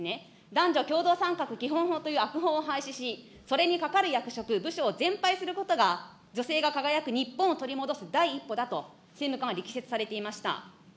男女共同参画基本法という悪法を廃止し、それにかかる役職、部署を全廃することが、女性が輝く日本を取り戻す第一歩だと、政務官は力説されていました。